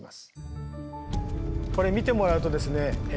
これ見てもらうとですね